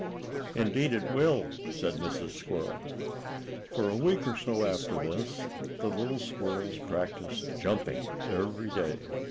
"Indeed it will," said Mrs. Squirrel. For a week or so after this, the little squirrels practiced jumping every day.